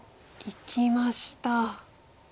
いきました。